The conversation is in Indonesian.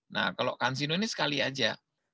nah kalau kansino ini sekali aja